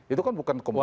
itu kan bukan kompetisi